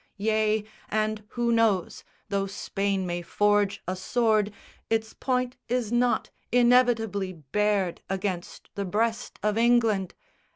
Yea, and who knows? though Spain may forge a sword, Its point is not inevitably bared Against the breast of England!"